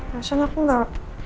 rasanya aku gak